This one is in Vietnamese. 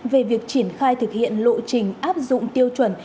về việc triển khai thực hiện lộ trình áp dụng tiêu chuẩn